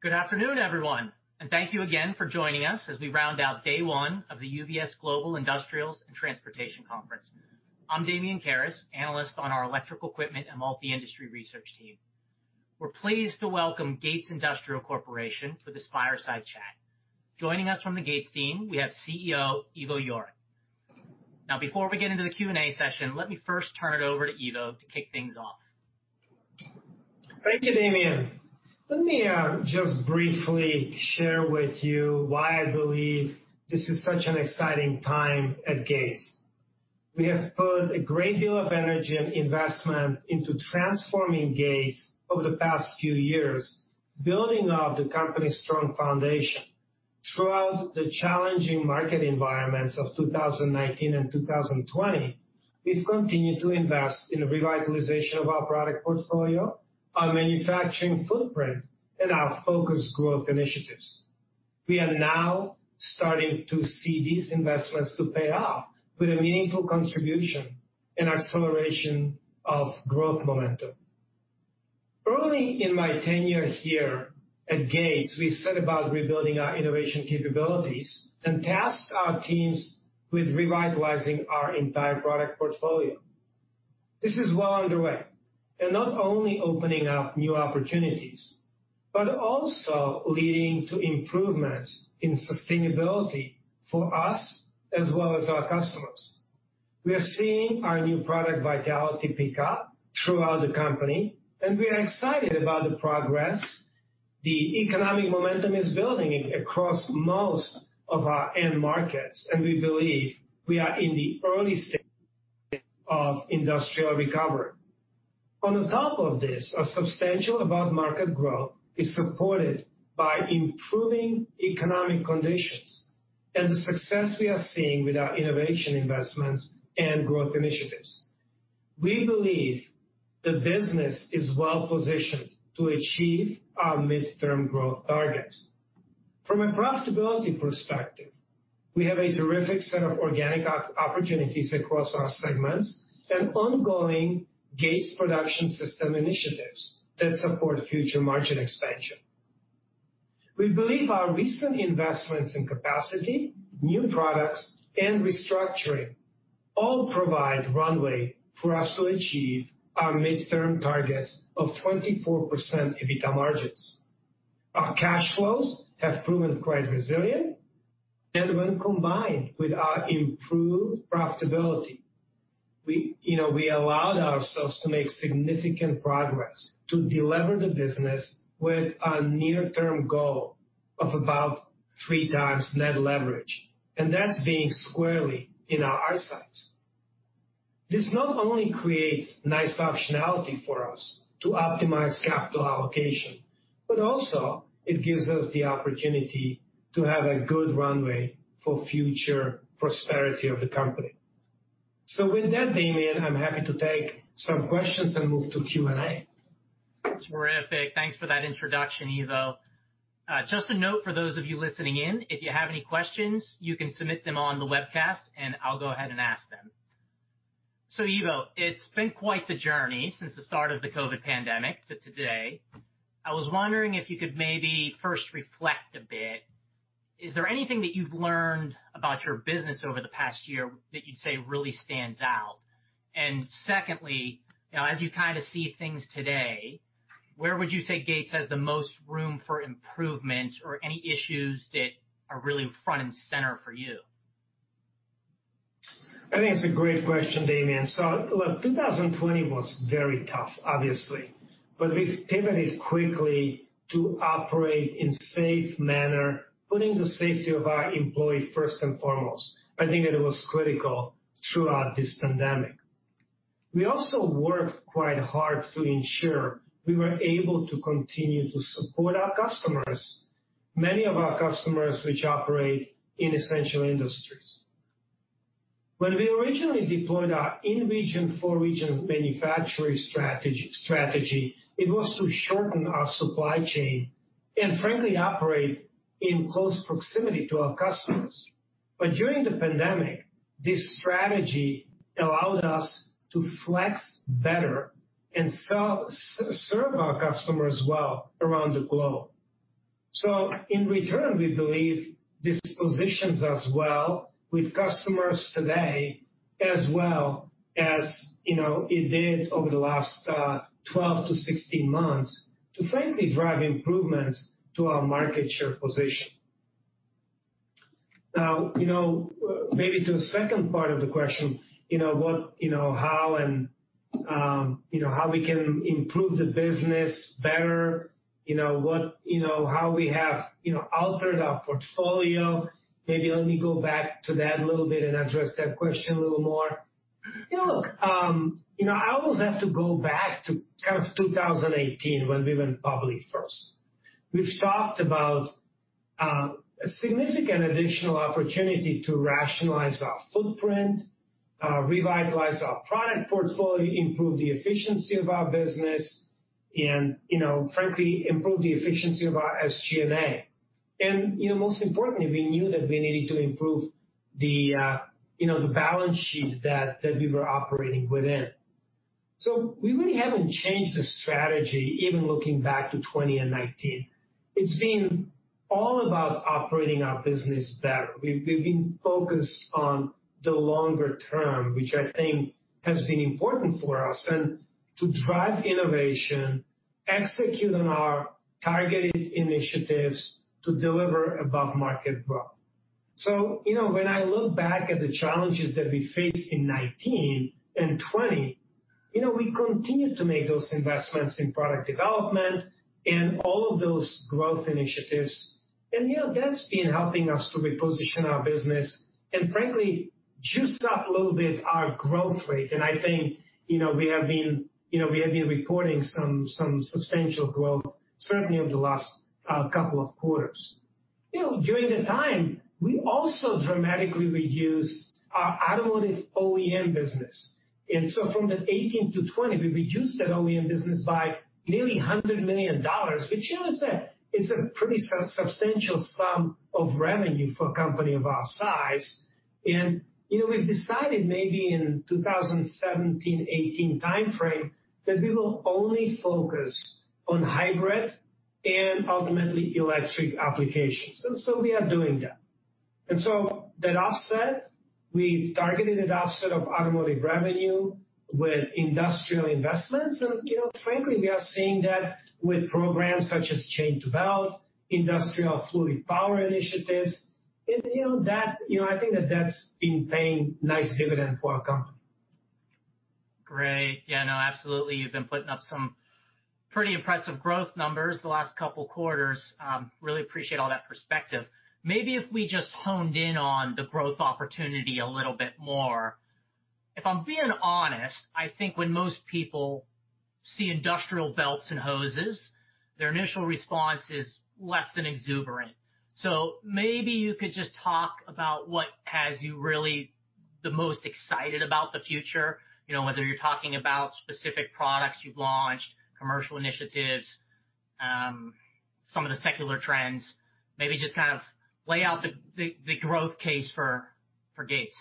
Good afternoon everyone and thank you again for joining us as we round out day one of the UBS Global Industrials and Transportation Conference. I'm Damian Karas, analyst on our electrical equipment and multi industry research team. We're pleased to welcome Gates Industrial Corporation for this fireside chat. Joining us from the Gates team, we have CEO Ivo Jurek. Now, before we get into the Q&A session, let me first turn it over to Ivo to kick things off. Thank you, Damian. Let me just briefly share with you why I believe this is such an exciting time at Gates. We have put a great deal of energy and investment into transforming Gates over the past few years, building up the company's strong foundation throughout the challenging market environments of 2019 and 2020. We've continued to invest in the revitalization of our product portfolio, our manufacturing footprint and our focused growth initiatives. We are now starting to see these investments pay off with a meaningful contribution and acceleration of growth momentum. Early in my tenure here at Gates, we set about rebuilding our innovation capabilities and tasked our teams with revitalizing our entire product portfolio. This is well underway and not only opening up new opportunities, but also leading to improvements in sustainability for us as well as our customers. We are seeing our new product vitality pick up throughout the company and we are excited about the progress. The economic momentum is building across most of our end markets and we believe we are in the early stage of industrial recovery. On top of this, a substantial above market growth is supported by improving economic conditions and the success we are seeing with our innovation investments and growth initiatives. We believe the business is well positioned to achieve our mid term growth targets from a profitability perspective. We have a terrific set of organic opportunities across our segments and ongoing Gates production system initiatives that support future margin expansion. We believe our recent investments in capacity, new products and restructuring all provide runway for us to achieve our midterm targets of 24% EBITDA margins. Our cash flows have proven quite resilient and when combined with our improved profitability, we allowed ourselves to make significant progress to deliver the business with a near term goal of about three times net leverage. That is being squarely in our sights. This not only creates nice optionality for us to optimize capital allocation, but also it gives us the opportunity to have a good runway for future prosperity of the company. With that Damian, I'm happy to take some questions and move to Q&A. Terrific. Thanks for that introduction, Ivo. Just a note for those of you listening in, if you have any questions, you can submit them on the webcast and I'll go ahead and ask them. Ivo, it's been quite the journey since the start of the COVID pandemic to today. I was wondering if you could maybe first reflect a bit. Is there anything that you've learned about your business over the past year that you'd say really stands out? Secondly, as you kind of see things today, where would you say Gates has the most room for improvement or any issues that are really front and center for you? I think it's a great question, Damian. 2020 was very tough, obviously, but we've pivoted quickly to operate in a safe manner, putting the safety of our employee first and foremost. I think that it was critical throughout this pandemic. We also worked quite hard to ensure we were able to continue to support our customers, many of our customers which operate in essential industries. When we originally deployed our in-region-for-region manufacturing strategy, it was to shorten our supply chain and frankly operate in close proximity to our customers. During the pandemic, this strategy allowed us to flex better and serve our customers well around the globe. In return, we believe this positions us well with customers today as well as it did over the last 12-16 months to frankly drive improvements to our market share position. Now, maybe to the second part of the question. How and how we can improve the business better, how we have altered our portfolio, maybe let me go back to that a little bit and address that question a little more. I always have to go back to 2018 when we went public first. We've talked about a significant additional opportunity to rationalize our footprint, revitalize our product portfolio, improve the efficiency of our business, and frankly improve the efficiency of our SG&A. Most importantly, we knew that we needed to improve the balance sheet that we were operating within. We really haven't changed the strategy. Even looking back to 2019, it's been all about operating our business better. We've been focused on the longer term, which I think has been important for us, and to drive innovation, execute on our targeted initiatives to deliver above market growth. When I look back at the challenges that we faced in 2019 and 2020, we continue to make those investments in product development and all of those growth initiatives. That's been helping us to reposition our business and frankly juice up a little bit our growth rate. I think, you know, we have been, you know, we have been reporting some substantial growth certainly over the last couple of quarters. You know, during the time we also dramatically reduced our automotive OEM business and so from that 2018 to 2020, we reduced that OEM business by nearly $100 million, which is a pretty substantial sum of revenue for a company of our size. You know, we've decided maybe in 2017, 2018 time frame that we will only focus on hybrid and ultimately electric applications. We are doing that. That offset, we targeted an offset of automotive revenue with industrial investments. And you know, frankly, we are seeing that with programs such as chain to belt, Industrial fluid power initiatives. I think that that's been paying nice dividend for our company. Great. Yeah, no, absolutely. You've been putting up some pretty impressive growth numbers the last couple quarters. Really appreciate all that perspective. Maybe if we just honed in on the growth opportunity a little bit more. If I'm being honest, I think when most people see industrial belts and hoses, their initial response is less than exuberant. Maybe you could just talk about what has you really the most excited about the future. You know, whether you're talking about specific products, you've launched commercial initiatives, some of the secular trends, maybe just kind of lay out the, the growth case for Gates.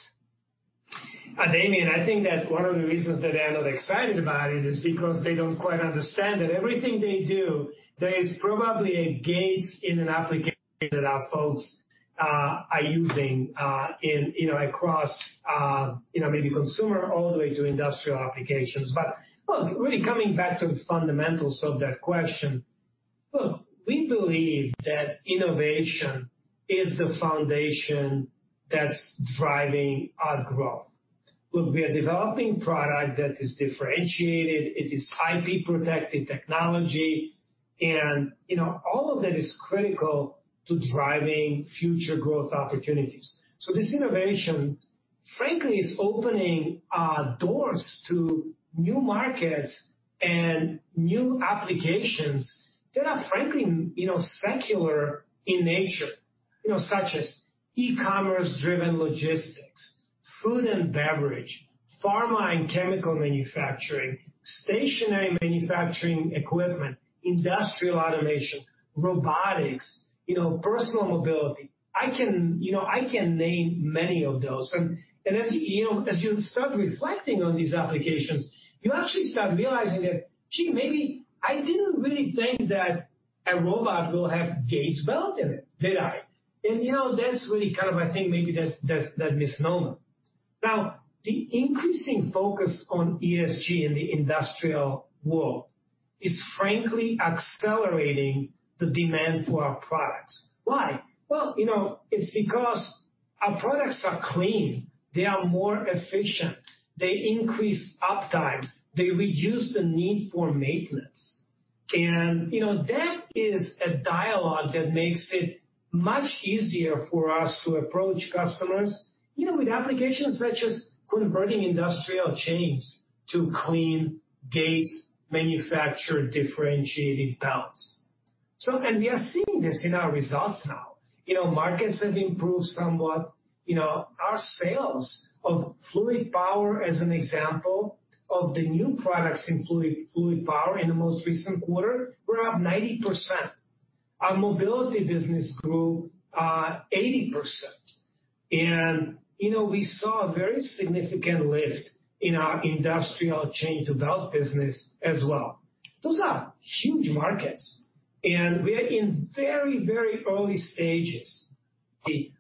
Damian, I think that one of the reasons that they're not excited about it is because they don't quite understand that everything they do there is probably a Gates in an application that our folks are using across maybe consumer all the way to industrial applications. Really coming back to the fundamentals of that question, look, we believe that innovation is the foundation that's driving our growth. Look, we are developing product that is differentiated. It is IP protected technology. You know, all of that is critical to driving future growth opportunities. This innovation, frankly, is opening doors to new markets and new applications that are, frankly, secular in nature, such as e-commerce driven logistics, food and beverage, pharma and chemical manufacturing, stationary manufacturing equipment, industrial automation, robotics, personal mobility. I can name many of those. As you start reflecting on these applications, you actually start realizing that, gee, maybe I didn't really think that a robot will have Gates belt in it, did I? That's really kind of, I think, maybe that misnomer. Now, the increasing focus on ESG in the industrial world is frankly accelerating the demand for our products. Why? You know, it's because our products are clean, they are more efficient, they increase uptime, they reduce the need for maintenance. You know, that is a dialogue that makes it much easier for us to approach customers, you know, with applications such as converting industrial chains to clean Gates-manufactured, differentiated belts. We are seeing this in our results now. You know, markets have improved somewhat. You know, our sales of fluid power, as an example of the new products in fluid power in the most recent quarter, were up 90%. Our mobility business grew 80%. You know, we saw a very significant lift in our industrial chain to belt business as well. Those are huge markets and we are in very, very early stages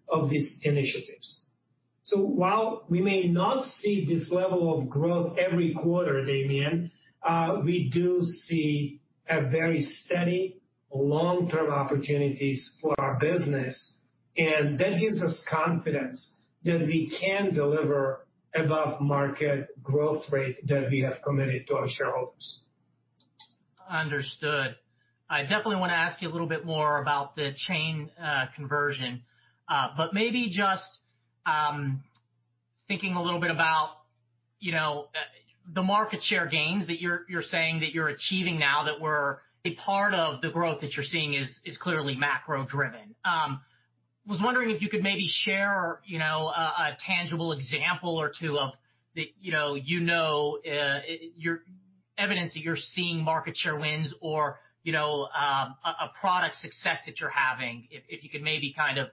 of these initiatives. While we may not see this level of growth every quarter, Damian, we do see a very steady long term opportunities for our business and that gives us confidence that we can deliver above market growth rate that we have committed to our shareholders. Understood. I definitely want to ask you a little bit more about the chain conversion, but maybe just thinking a little bit about, you know, the market share gains that you're saying that you're achieving now that were a part of the growth that you're seeing is clearly macro driven. Was wondering if you could maybe share, you know, a tangible example or two of that, you know, evidence that you're seeing market share wins or a product success that you're having if you could maybe kind of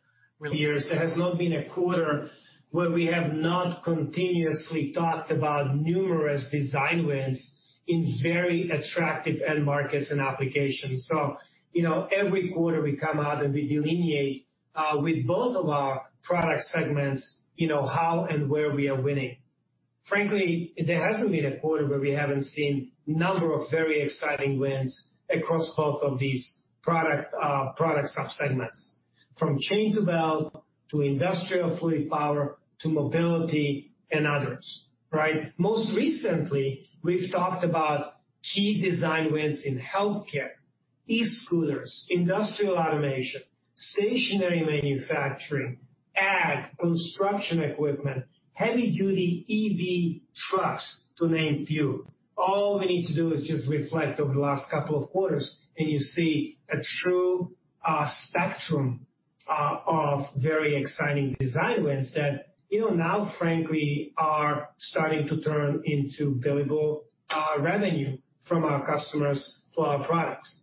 years. There has not been a quarter where we have not continuously talked about numerous design wins in very attractive end markets and applications. You know, every quarter we come out and we delineate with both of our products, product segments, you know, how and where we are winning. Frankly, there has not been a quarter where we have not seen a number of very exciting wins across both of these product subsegments from chain to belt to industrial fluid power to mobility and others. Right. Most recently we have talked about key design wins in health care, E scooters, industrial automation, stationary manufacturing, AG construction equipment, heavy duty EV trucks, to name a few. All we need to do is just reflect over the last couple of quarters and you see a true spectrum of very exciting design wins that you know, now frankly are starting to turn into valuable revenue from our customers for our products.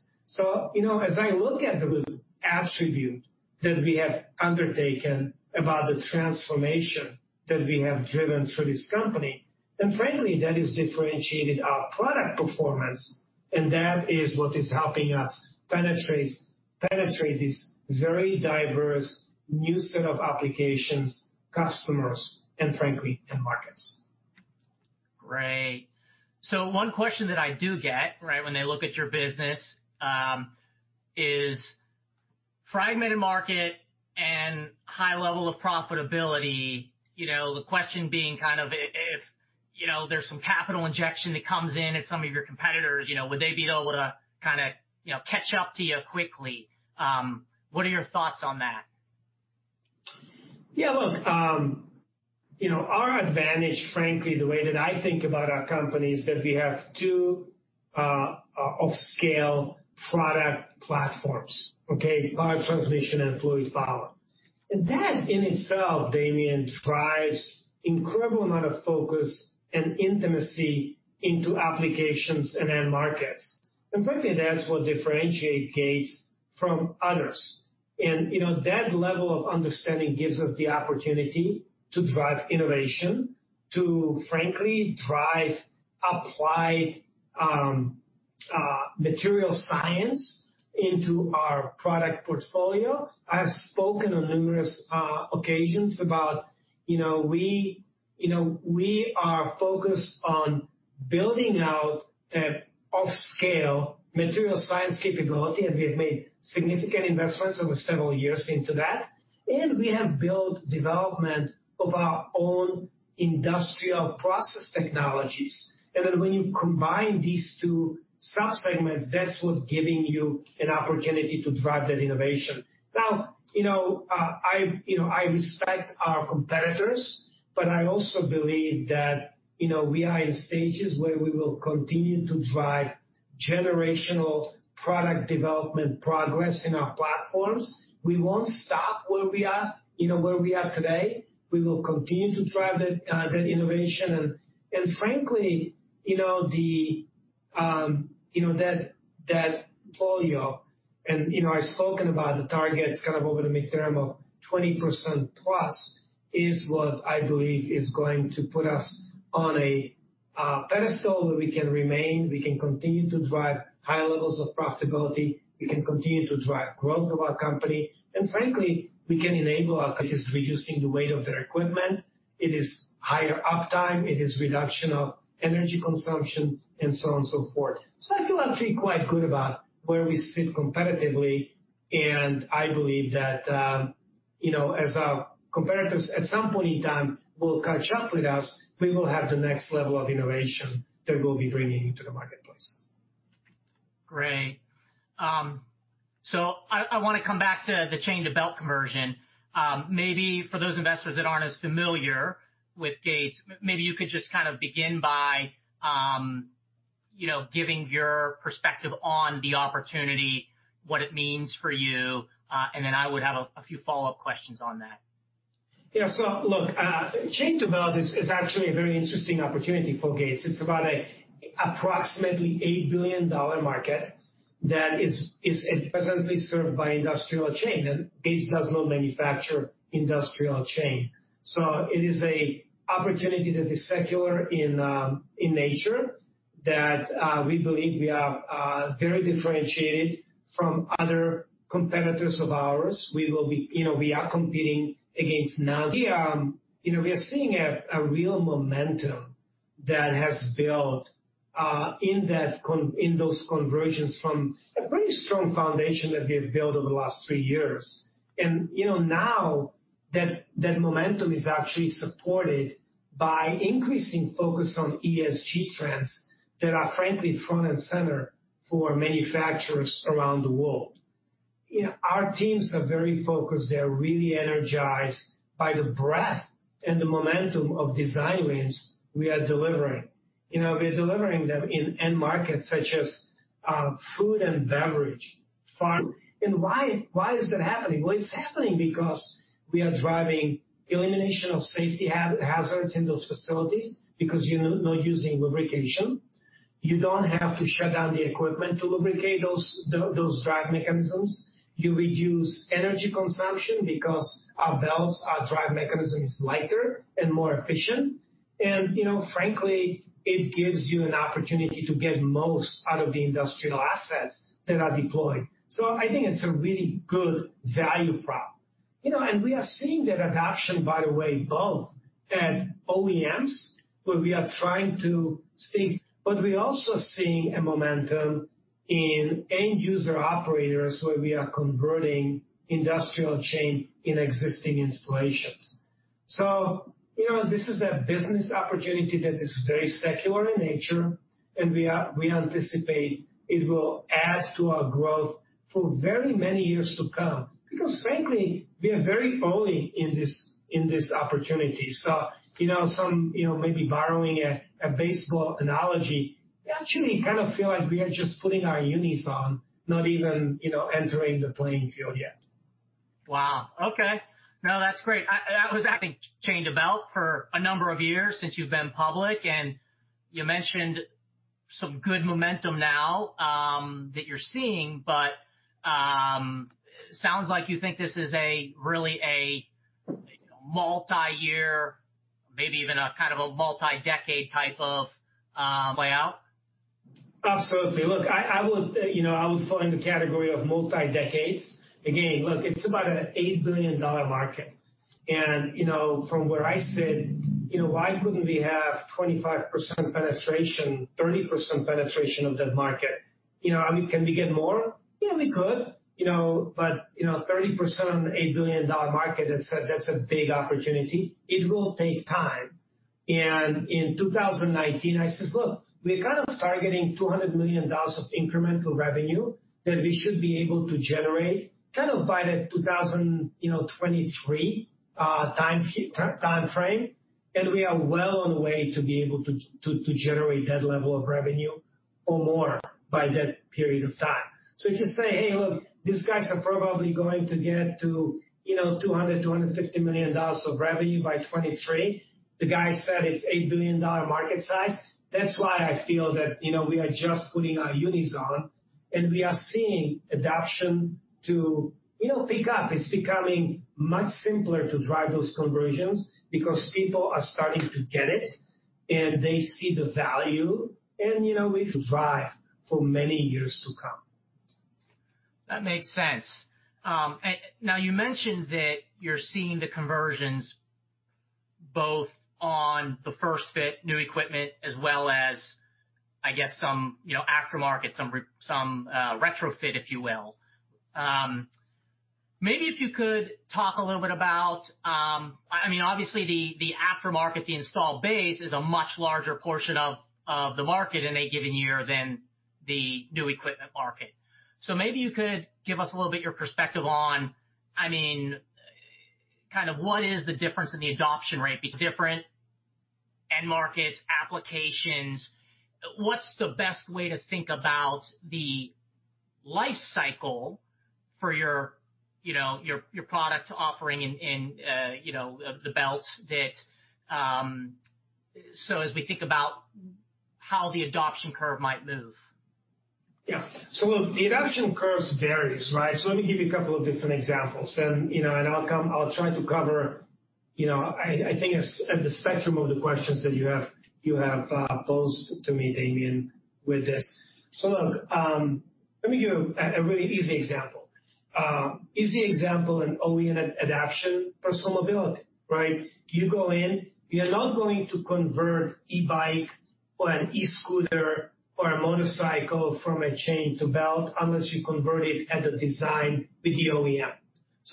You know, as I look at the attribute that we have undertaken about the transformation that we have driven through this company and frankly that has differentiated our product performance. That is what is helping us penetrate this very diverse new set of applications, customers and frankly end markets. Great. One question that I do get right when they look at your business is fragmented market and high level of profitability. You know, the question being kind of if you know there's some capital injection that comes in at some of your competitors, you know, would they be able to kind of, you know, catch up to you quickly? What are your thoughts on that? Yeah, look, our advantage, frankly, the way that I think about our company is that we have two of scale product platforms, power transmission and fluid power. That in itself, Damian, drives incredible amount of focus and intimacy into applications and end markets. Frankly, that's what differentiates Gates from others. That level of understanding gives us the opportunity to drive innovation, to frankly drive applied material science into our product portfolio. I have spoken on numerous occasions about, we are focused on building out of scale material science capability and we have made significant investments over several years into that. We have built development of our own industrial process technologies. When you combine these two subsegments, that's what is giving you an opportunity to drive that innovation. Now you know I, you know I respect our competitors but I also believe that, you know, we are in stages where we will continue to drive generational product development progress in our platforms. We won't stop where we are, you know, where we are today. We will continue to drive that innovation. Frankly, you know, that portfolio and you know I've spoken about the targets kind of over the midterm of 20%+ is what I believe is going to put us on a pedestal where we can remain. We can continue to drive high levels of profitability, we can continue to drive growth of our company and frankly we can enable. It is reducing the weight of their equipment, it is higher uptime, it is reduction of energy consumption and so on and so forth. I feel actually quite good about where we sit competitively and I believe that, you know, as competitors at some point in time will catch up with us. We will have the next level of innovation that we'll be bringing into the marketplace. Great. I want to come back to the chain to belt conversion. Maybe for those investors that are not as familiar with Gates, maybe you could just kind of begin by giving your perspective on the opportunity, what it means for you, how, and then I would have a few follow up questions on that. Yeah, look, chain development is actually a very interesting opportunity for Gates. It's about an approximately $8 billion market that is presently served by industrial chain and Gates does not manufacture industrial chain. It is an opportunity that is secular in nature that we believe we are very differentiated from other competitors of ours. We are competing against NAV. We are seeing a real momentum that has built in those conversions from a pretty strong foundation that we have built over the last three years. Now that momentum is actually supported by increasing focus on ESG trends that are frankly front and center for manufacturers around the world. Our teams are very focused, they're really energized by the breadth and the momentum of design wins. We are delivering, you know, we're delivering them in end markets such as food and beverage farm. Why is that happening? It is happening because we are driving elimination of safety hazards in those facilities. Because you are not using lubrication, you do not have to shut down the equipment to lubricate those drive mechanisms. You reduce energy consumption because our belts, our drive mechanism, is lighter and more efficient and frankly it gives you an opportunity to get most out of the industrial assets that are deployed. I think it is a really good value prop. We are seeing that adoption, by the way, both at OEMs where we are trying to stick, but we also see momentum in end user operators where we are converting industrial chain in existing installations. You know, this is a business opportunity that is very secular in nature and we anticipate it will add to our growth for very many years to come because frankly we are very early in this opportunity. Maybe borrowing a baseball analogy, actually kind of feel like we are just putting our unis on, not even entering the playing field yet. Wow, okay. No, that's great. That was, I think, chained about for a number of years since you've been public and you mentioned some good momentum now that you're seeing, but sounds like you think this is really a multi year, maybe even a kind of a multi decade type of way out. Absolutely. Look, I would fall in the category of multi decades again. Look, it's about an $8 billion market and from where I sit, why couldn't we have 25% penetration, 30% penetration of that market? You know, can we get more? Yeah, we could, you know, but you know, 30%, $8 billion market. That said, that's a big opportunity, it will take time. In 2019, I said, look, we're kind of targeting $200 million of incremental revenue that we should be able to generate kind of by the 2023 time frame. We are well on the way to be able to generate that level of revenue or more by that period of time. If you say, hey look, these guys are probably going to get to, you know, $200 million-$250 million of revenue by 2023, the guy said it's $8 billion market size. That's why I feel that, you know, we are just putting our unis on and we are seeing adoption to, you know, pick up. It's becoming much simpler to drive those conversions because people are starting to get it and they see the value and, you know, we drive for many years to come. That makes sense. Now, you mentioned that you're seeing the conversions both on the first fit, new equipment as well as, I guess, some, you know, aftermarket, some retrofit, if you will. Maybe if you could talk a little bit about, I mean, obviously the aftermarket, the installed base is a much larger portion of the market in a given year than the new equipment market. Maybe you could give us a little bit your perspective on, I mean, kind of what is the difference in the adoption rate, different end markets, applications, what's the best way to think about the life cycle for your, you know, your, your product offering in, you know, the belts that. As we think about how the adoption curve might move. Yeah. The adoption curves varies. Right. Let me give you a couple of different examples and, you know, I'll try to cover, you know, I think the spectrum of the questions that you have, you have posed to me, Damian, with this. Look, let me give a really easy example. Is the example an OEM adaption pursuing, right? You go in, you're not going to convert e-bike or an e-scooter or a motorcycle from a chain to belt unless you convert it at the design with the OEM.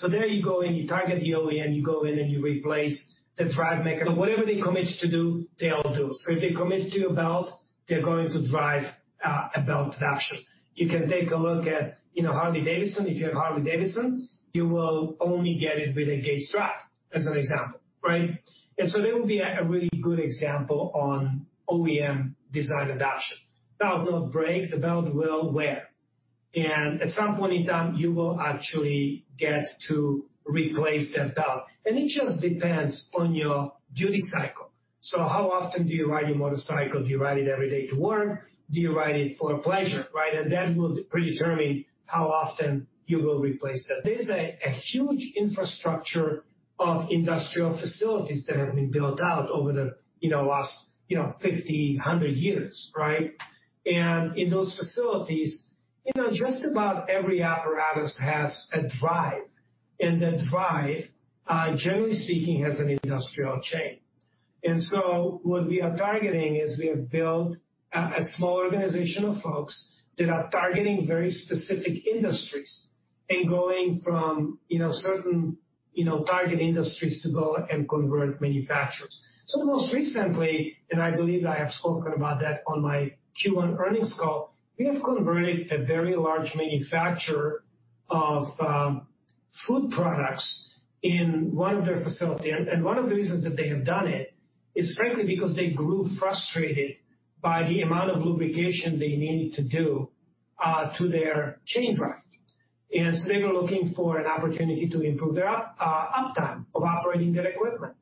There you go. You target the OEM, you go in and you replace the drive mechanism. Whatever they commit to do, they all do. If they commit to your belt, they're going to drive a belt production. You can take a look at Harley-Davidson. If you have Harley-Davidson, you will only get it with a Gates drive as an example. Right. There will be a really good example on OEM design adoption, belt not break. The belt will wear. At some point in time you will actually get to replace that belt. It just depends on your duty cycle. How often do you ride your motorcycle? Do you ride it every day to work? Do you ride it for pleasure? That will predetermine how often you will replace them. There is a huge infrastructure of industrial facilities that have been built out over the last 50, 100 years. In those facilities, just about every apparatus has a drive and that drive, generally speaking, has an industrial chain. What we are targeting is we have built a small organization of folks that are targeting very specific industries and going from certain target industries to go and convert manufacturers. Most recently, and I believe I have spoken about that on my Q1 earnings call, we have converted a very large manufacturer of food products in one of their facility. One of the reasons that they have done it is, is frankly because they grew frustrated by the amount of lubrication they needed to do to their chain drive. They were looking for an opportunity to improve their uptime of operating that equipment.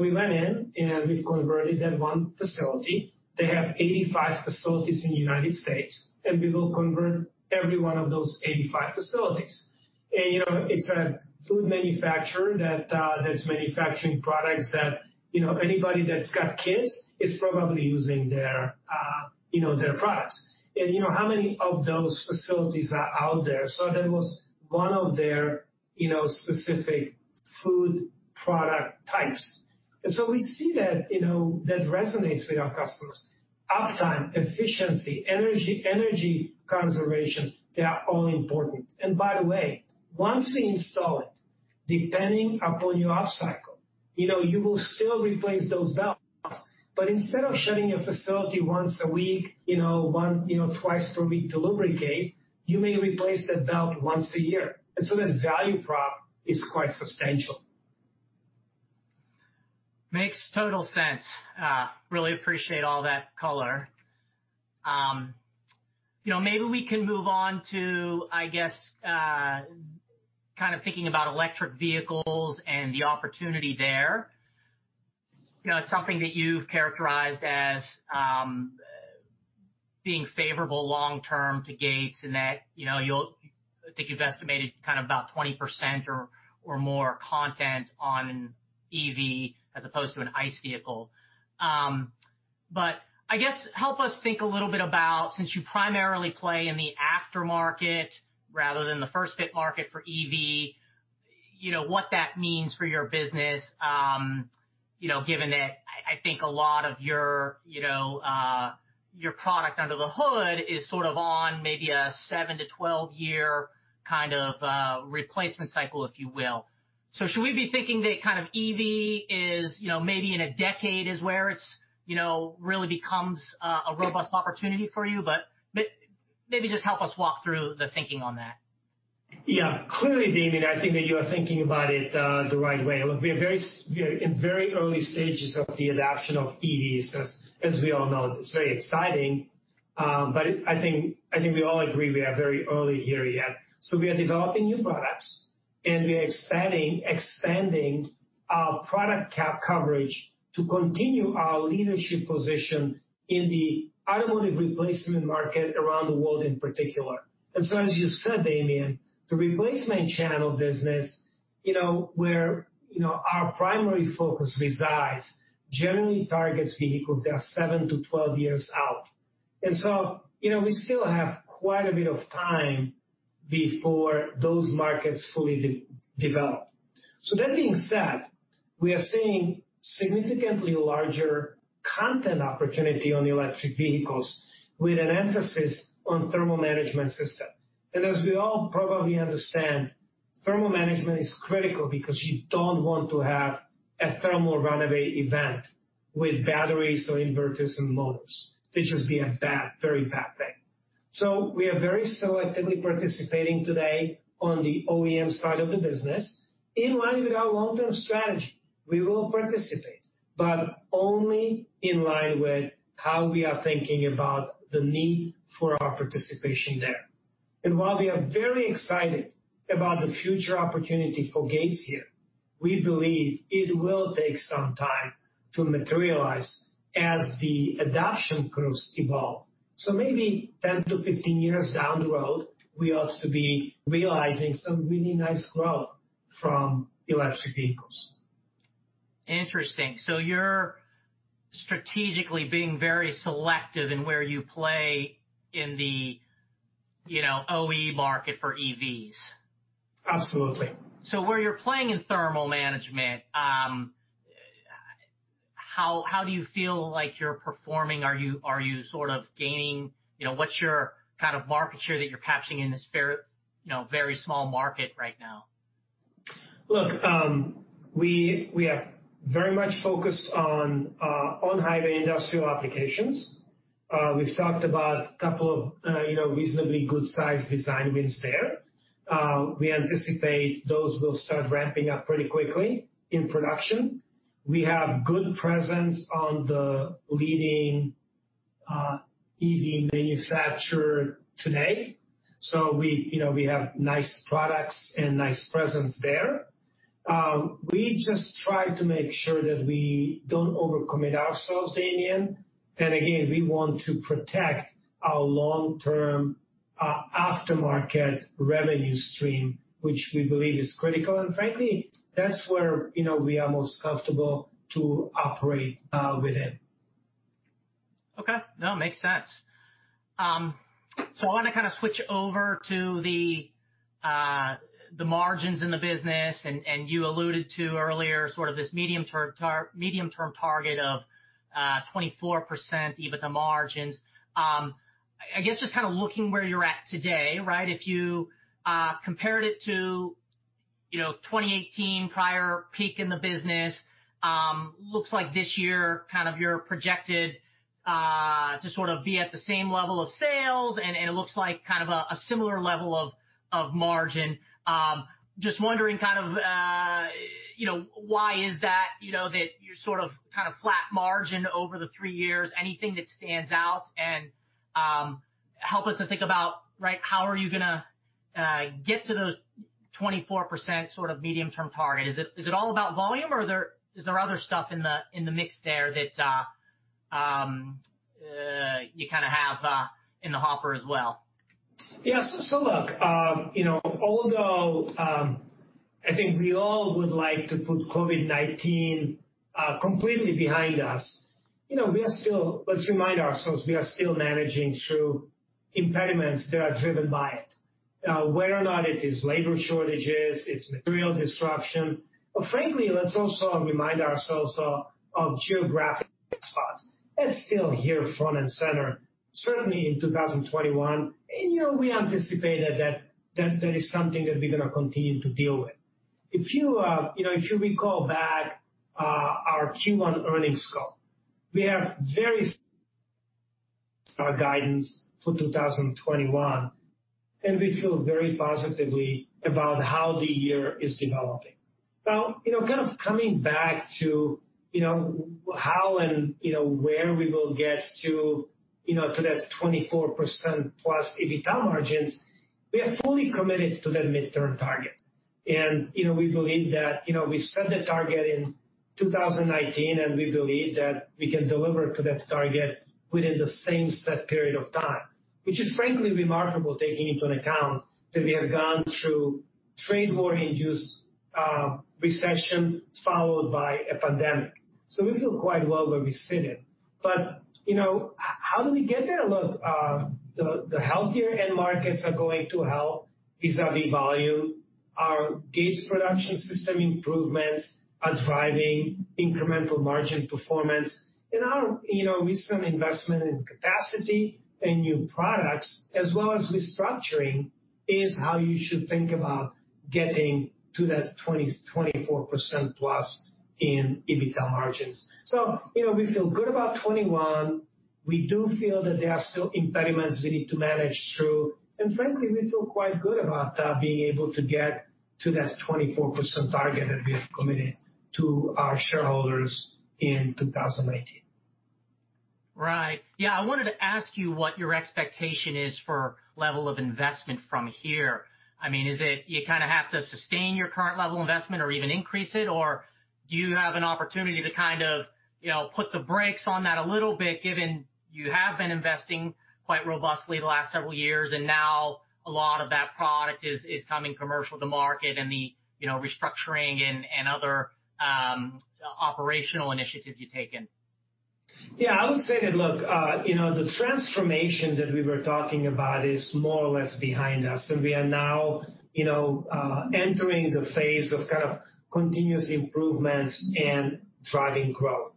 We went in and we have converted that one facility. They have 85 facilities in the United States. We will convert every one of those 85 facilities. You know, it's a food manufacturer that's manufacturing products that, you know, anybody that's got kids is probably using their, you know, their products and you know, how many of those facilities are out there. That was one of their, you know, specific food product types. And you know, we see that, you know, that resonates with our customers. Uptime, efficiency, energy, energy conservation, they are all important. By the way, once we install it, depending upon your upcycle, you know, you will still replace those belts, but instead of shutting your facility once a week, you know, twice per week to lubricate, you may replace that belt once a year. That value prop is quite substantial. Makes total sense, really appreciate all that color. You know, maybe we can move on to, I guess, kind of thinking about electric vehicles and the opportunity there. You know, it's something that you've characterized as being favorable long term to Gates and that, you know, you'll, I think you've estimated kind of about 20% or more content on EV as opposed to an ICE vehicle. I guess help us think a little bit about, since you primarily play in the aftermarket rather than the first fit market for EV, what that means for your business. Given that I think a lot of your product under the hood is sort of on maybe a seven-12 year kind of replacement cycle, if you will. Should we be thinking that kind of EV is maybe in a decade is where it really becomes a robust opportunity for you, but maybe just help us walk through the thinking on that. Yeah, clearly Damian, I think that you are thinking about it the right way. Look, we are in very early stages of the adoption of EVs as we all know. It's very exciting, but I think we all agree we are very early here yet. We are developing new products and we are expanding our product coverage to continue our leadership position in the automotive replacement market around the world in particular. As you said, Damian, the replacement channel business, you know, where, you know, our primary focus resides, generally targets vehicles that are seven to 12 years out. We still have quite a bit of time before those markets fully develop. That being said, we are seeing significantly larger content opportunity on electric vehicles with an emphasis on thermal management system. As we all probably understand, thermal management is critical because you do not want to have a thermal runaway event with batteries or inverters and motors. It would just be a bad, very bad thing. We are very selectively participating today on the OEM side of the business in line with our long term strategy. We will participate, but only in line with how we are thinking about the need for our participation there. While we are very excited about the future opportunity for Gates here, we believe it will take some time to materialize as the adoption curves evolve. Maybe 10-15 years down the road, we ought to be realizing some really nice growth from electric vehicles. Interesting. You are strategically being very selective in where you play in the OE market for EVs. Absolutely. Where you're playing in thermal management, how do you feel like you're performing? Are you sort of gaining, you know, what's your kind of market share that you're capturing in this very small market right now? Look, we are very much focused on highway industrial applications. We've talked about a couple of, you know, reasonably good sized design wins there. We anticipate those will start ramping up pretty quickly in production. We have good presence on the leading EV manufacturer today. You know, we have nice products and nice presence there. We just try to make sure that we don't over commit ourselves, Damian. Again, we want to protect our long term aftermarket revenue stream which we believe is critical. Frankly, that's where we are most comfortable to operate within. Okay, no, makes sense. I want to kind of switch over to the margins in the business. You alluded to earlier sort of this medium term target of 24% EBITDA margins. I guess just kind of looking where you're at today, right. If you compared it to, you know, 2018 prior peak in the business, looks like this year kind of you're projected to sort of be at the same level of sales and it looks like kind of a similar level of margin. Just wondering, kind of, you know, why is that? You know that you're sort of kind of flat margin over the three years. Anything that stands out and help us to think about, right. How are you going to get to those 24% sort of medium term target? Is it all about volume or is there other stuff in the mix there that you kind of have in the hopper as well? Yes. Look, you know, although I think we all would like to put COVID-19 completely behind us, you know, we are still, let's remind ourselves, we are still managing through impediments that are driven by it, whether or not it is labor shortages, it's material disruption. Frankly, let's also remind ourselves of geographic spots that are still here front and center, certainly in 2021. You know, we anticipated that, that is something that we're going to continue to deal with. If you recall back to our Q1 earnings call, we have varied guidance for 2021 and we feel very positively about how the year is developing. Now, you know, kind of coming back to how and where we will get to that 24%+ EBITDA margins, we are fully committed to that midterm target. You know, we believe that, you know, we set the target in 2019 and we believe that we can deliver to that target within the same set period of time, which is frankly remarkable taking into account that we have gone through trade war induced recession followed by a pandemic. We feel quite well where we sit in. You know, how do we get there? Look, the healthier end markets are going to help, is a big volume. Our Gates production system improvements are driving incremental margin performance and our recent investment in capacity and new products as well as restructuring is how you should think about getting to that 2024% plus in EBITDA margins. You know, we feel good about 21. We do feel that there are still impediments we need to manage through. Frankly we feel quite good about being able to get to that 24% target that we have committed to our shareholders in 2019. Right, yeah. I wanted to ask you what your expectation is for level of investment from here. I mean, is it you kind of have to sustain your current level investment or even increase it or do you have an opportunity to kind of, you know, put the brakes on that a little bit given you have been investing quite robustly the last several years and now a lot of that product is coming commercial to market and the, you know, restructuring and other operational initiatives you've taken? Yeah, I would say that look, you know, the transformation that we were talking about is more or less behind us and we are not, you know, entering the phase of kind of continuous improvements and driving growth.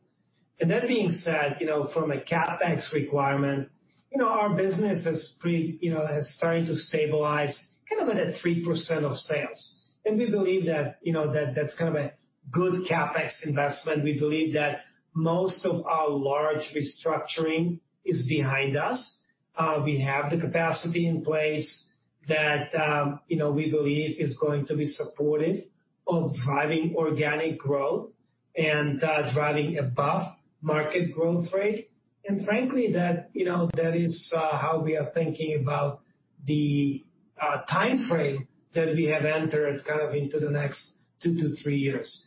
That being said, you know, from a CapEx requirement, you know, our business is, you know, has started to stabilize kind of at a 3% of sales. We believe that, you know, that that's kind of a good CapEx investment. We believe that most of our large restructuring is behind us. We have the capacity in place that we believe is going to be supportive of driving organic growth and driving above market growth rate. Frankly, that is how we are thinking about the time frame that we have entered into the next two to three years.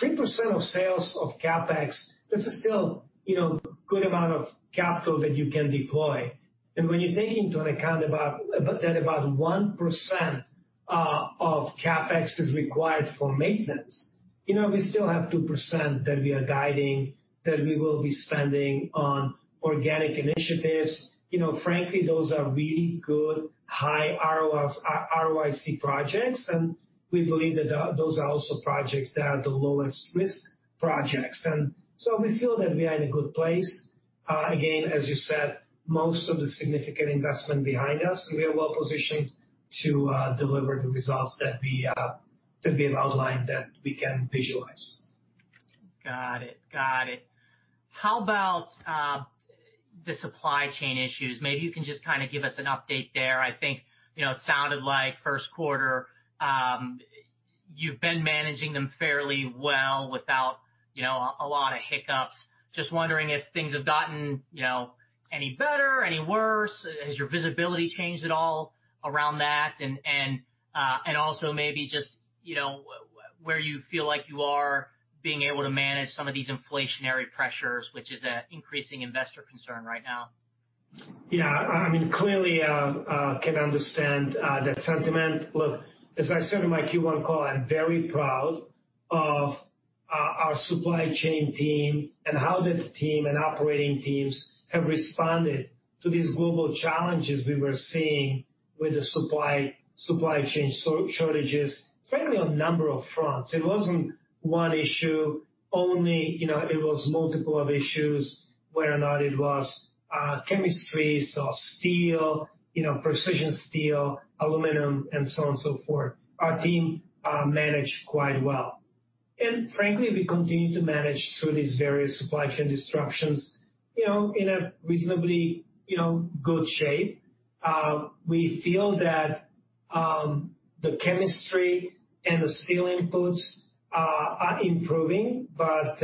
3% of sales of CapEx. This is still, you know, good amount of capital that you can deploy. And when you take into account about that, about 1% of CapEx is required for maintenance. You know, we still have 2% that we are guiding that we will be spending on organic initiatives. You know, frankly, those are really good high ROI ROIC projects and we believe that those are also projects that are the lowest risk projects. And so we feel that we are in a good place. Again, as you said, most of the significant investment behind us. We are well positioned to deliver the results that we have outlined that we can visualize. Got it, got it. How about the supply chain issues? Maybe you can just kind of give us an update there. I think, you know, it sounded like first quarter, you've been managing them fairly well without, you know, a lot of hiccups. Just wondering if things have gotten, you know, any better, any worse. Has your visibility changed at all around that and also maybe just, you know, where you feel like you are being able to manage some of these inflationary pressures, which is an increasing investor concern right now. Yeah, I mean, clearly can understand that sentiment. Look, as I said in my Q1 call, I'm very proud of our supply chain team and how that team and operating teams have responded to these global challenges we were seeing with the supply chain shortages, frankly, on a number of fronts. It wasn't one issue only, you know, it was multiple issues. Whether or not it was chemistry, steel, you know, precision steel, aluminum and so on, so forth, our team managed quite well and frankly, we continue to manage through these various supply chain disruptions, you know, in a reasonably, you know, good shape. We feel that the chemistry and the steel inputs are improving, but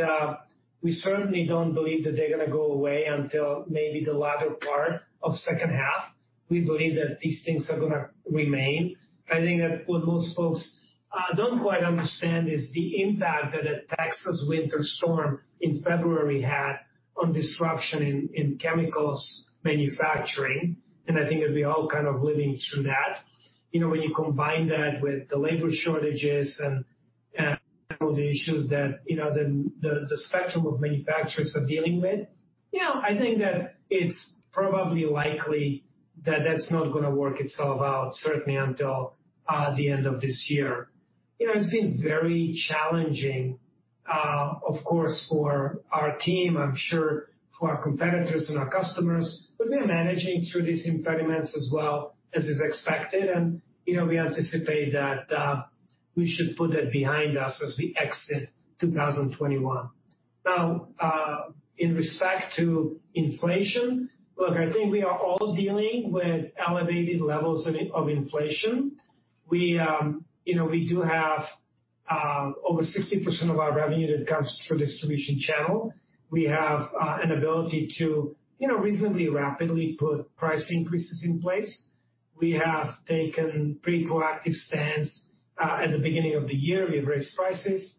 we certainly don't believe that they're going to go away until maybe the latter part of second half. We believe that these things are going to remain. I think that what most folks do not quite understand is the impact that a Texas winter storm in February had on disruption in chemicals manufacturing. I think that we all kind of living through that. You know, when you combine that with the labor shortages and all the issues that, you know, the spectrum of manufacturers are dealing with, you know, I think that it is probably likely that is not going to work itself out certainly until the end of this year. You know, it has been very challenging, of course, for our team, I am sure for our competitors and our customers. We are managing through these impediments as well as is expected. You know, we anticipate that we should put that behind us as we exit 2021. Now, in respect to inflation, look, I think we are all dealing with elevated levels of inflation. We, you know, we do have over 60% of our revenue that comes through distribution channel. We have an ability to, you know, reasonably rapidly put price increases in place. We have taken pretty proactive stance. At the beginning of the year, we raised prices,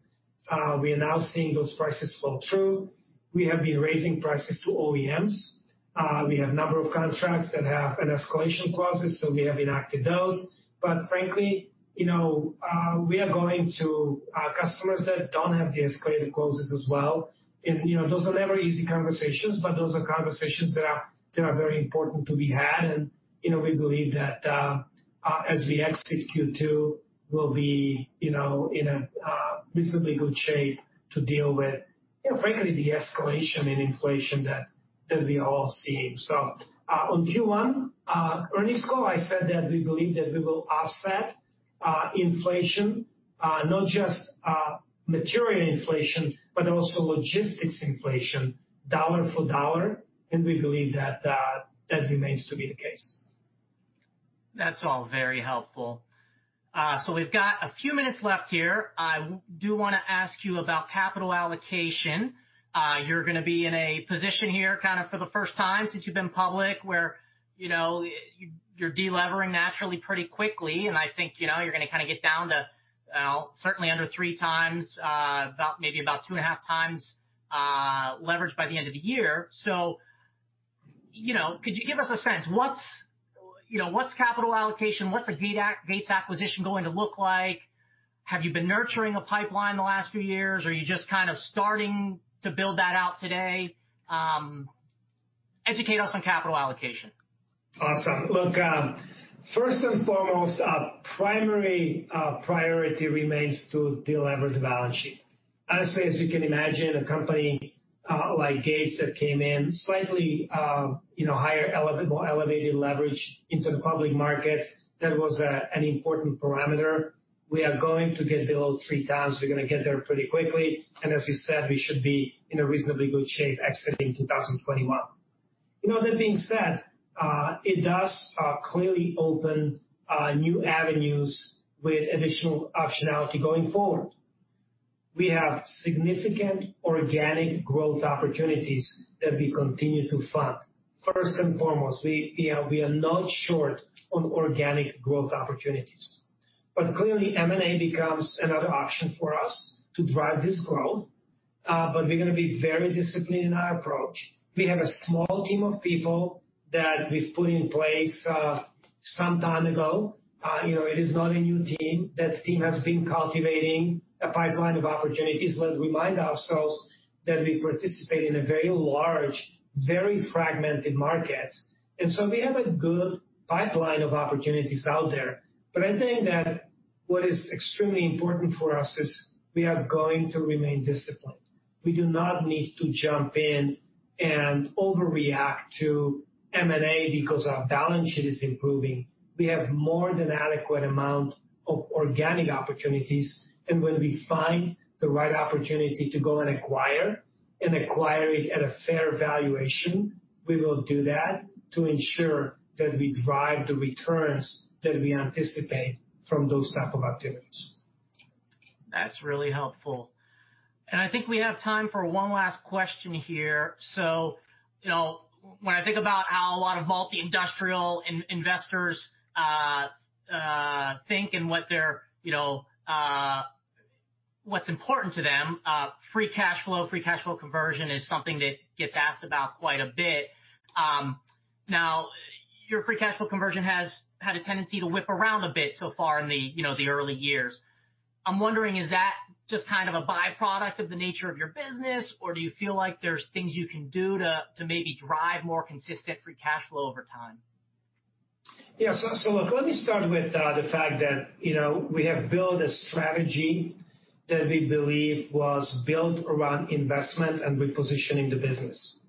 we are now seeing those prices flow through. We have been raising prices to OEMs. We have a number of contracts that have escalation clauses, so we have enacted those. Frankly, you know, we are going to customers that do not have the escalation clauses as well. Those are never easy conversations, but those are conversations that are very important to be had. You know, we believe that as we execute Q2 will be, you know, in a reasonably good shape to deal with, frankly, the escalation in inflation that we all see. On the Q1 earnings call, I said that we believe that we will offset inflation, not just material inflation, but also logistics inflation, dollar for dollar. We believe that that remains to be the case. That's all very helpful. We have a few minutes left here. I do want to ask you about capital allocation. You're going to be in a position here kind of for the first time since you've been public where, you know, you're delevering naturally pretty quickly. I think, you know, you're going to kind of get down to certainly under three times, about, maybe about two and a half times leverage by the end of the year. Could you give us a sense, what's capital allocation? What's a Gates acquisition going to look like? Have you been nurturing a pipeline the last few years? Are you just kind of starting to build that out today? Educate us on capital allocation. Awesome. Look, first and foremost, our primary priority remains to deliver the balance sheet. Honestly, as you can imagine, a company like Gates that came in slightly higher, more elevated leverage into the public markets. That was an important parameter. We are going to get below three times. We're going to get there pretty quickly. As you said, we should be in a reasonably good shape exiting 2021. That being said, it does clearly open new avenues. With additional optionality going forward. We have significant organic growth opportunities that we continue to fund. First and foremost, we are not short on organic growth opportunities. Clearly M&A becomes another option for us to drive this growth. We're going to be very disciplined in our approach. We have a small team of people that we've put in place some time ago. You know, it is not a new team. That team has been cultivating a pipeline of opportunities. Let's remind ourselves that we participate in very large, very fragmented markets. We have a good pipeline of opportunities out there. I think that what is extremely important for us is we are going to remain disciplined. We do not need to jump in and overreact to M&A because our balance sheet is improving. We have more than adequate amount of organic opportunities. When we find the right opportunity to go and acquire and acquire it at a fair valuation, we will do that to ensure that we drive the returns that we anticipate from those type of activities. That's really helpful. I think we have time for one last question here. When I think about how a lot of multi industrial investors think and what's important to them, free cash flow. Free cash flow conversion is something that gets asked about quite a bit. Now your free cash flow conversion has had a tendency to whip around a bit so far in the early years. I'm wondering, is that just kind of a byproduct of the nature of your business or do you feel like there's things you can do to maybe drive more consistent free cash flow over time? Yeah. Look, let me start with the fact that, you know, we have built a strategy that we believe was built around investment and repositioning the business.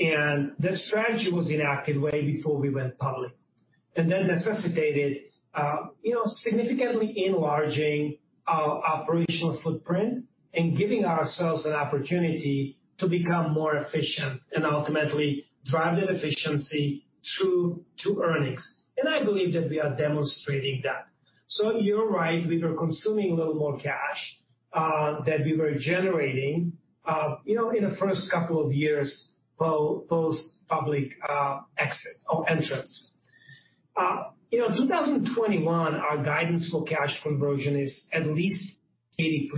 That strategy was enacted way before we went public. That necessitated, you know, significantly enlarging our operational footprint and giving ourselves an opportunity to become more efficient and ultimately drive that efficiency through to earnings. I believe that we are demonstrating that. You're right. We were consuming a little more cash than we were generating, you know, in the first couple of years post public exit or entrance, you know, 2021. Our guidance for cash conversion is at least 80%.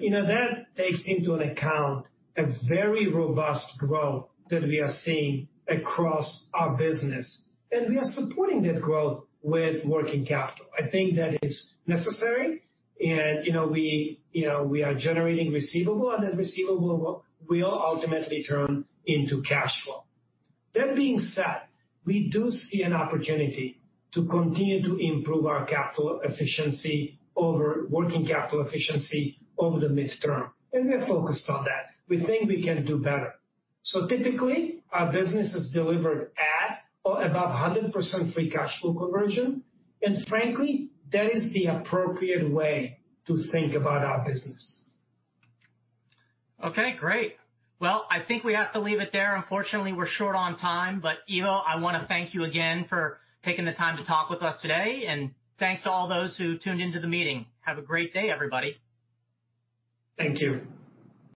You know, that takes into account a very robust growth that we are seeing across our business. We are supporting that growth with working capital. I think that it's necessary and, you know, we are generating receivable and receivable will ultimately turn into cash flow. That being said, we do see an opportunity to continue to improve our capital efficiency over working capital efficiency over the midterm. We are focused on that. We think we can do better. Typically, our business is delivered at or above 100% free cash flow conversion. Frankly, that is the appropriate way to think about our business. Okay, great. I think we have to leave it there. Unfortunately, we're short on time. Ivo, I want to thank you again for taking the time to talk with us today. Thanks to all those who tuned into the meeting. Have a great day, everybody. Thank you.